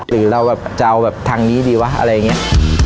หรือเราแบบจะเอาแบบทางนี้ดีวะอะไรอย่างนี้